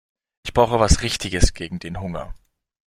Ich brauche was Richtiges gegen den Hunger.